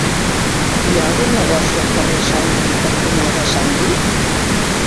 Hi ha algun negoci al carrer Xandri cantonada Xandri?